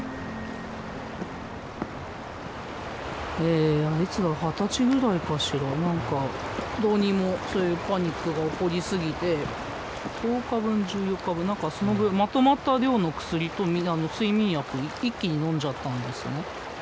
えいつだろう二十歳ぐらいかしら何かどうにもそういうパニックが起こりすぎて１０日分１４日分何かその分まとまった量の薬と睡眠薬一気にのんじゃったんですね。